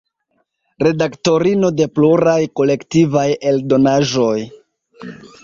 Redaktorino de pluraj kolektivaj eldonaĵoj.